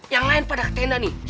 yang lain pada tenda nih